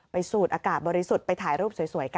สูดอากาศบริสุทธิ์ไปถ่ายรูปสวยกัน